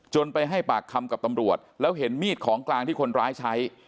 ไปให้ปากคำกับตำรวจแล้วเห็นมีดของกลางที่คนร้ายใช้